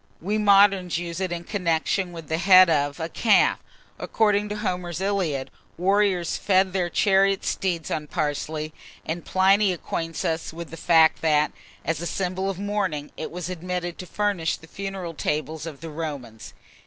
we moderns use it in connection with the head of a calf. According to Homer's "Iliad," warriors fed their chariot steeds on parsley; and Pliny acquaints us with the fact that, as a symbol of mourning, it was admitted to furnish the funeral tables of the Romans.